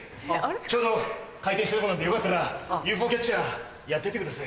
ちょうど開店したところなんでよかったらＵＦＯキャッチャーやってってください。